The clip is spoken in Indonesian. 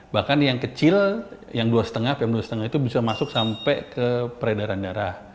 bahkan yang kecil yang dua lima pm dua lima itu bisa masuk sampai ke peredaran darah